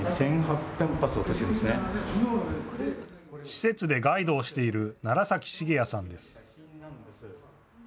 施設でガイドをしている楢崎茂彌さんです。